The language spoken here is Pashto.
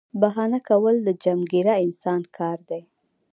بهانه کول د چمګیره انسان کار دی